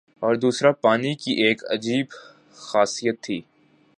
اور دوسرا پانی کی ایک عجیب خاصیت تھی